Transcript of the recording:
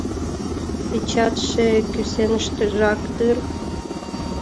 Печатьше кӱсеныштыжак дыр?